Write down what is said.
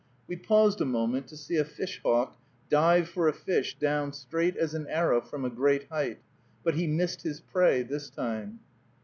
We paused a moment to see a fish hawk dive for a fish down straight as an arrow, from a great height, but he missed his prey this time.